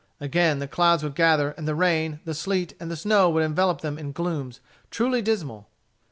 Again the clouds would gather, and the rain, the sleet, and the snow would envelop them in glooms truly dismal.